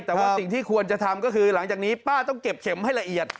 แต่ว่าสิ่งที่ควรจะทำก็คือหลังจากนี้ป้าต้องเก็บเข็มให้ละเอียด